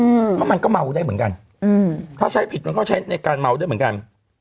เพราะมันก็เมาได้เหมือนกันอืมถ้าใช้ผิดมันก็ใช้ในการเมาด้วยเหมือนกัน